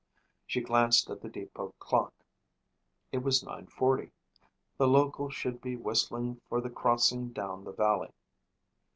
She glanced at the depot clock. It was nine forty. The local should be whistling for the crossing down the valley.